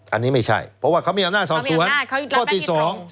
อันนี้ไม่ใช่เพราะว่าเขามีอำนาจสอบสวนเขามีอำนาจเขายึดรับแปลกที่ตรง